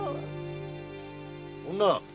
女！